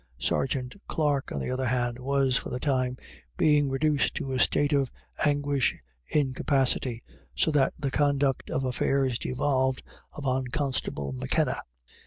Sergeant Clarke, on the other hand, was for the time being reduced to a state of aguish incapacity, so that the conduct of affairs devolved upon Constable M'Kenna.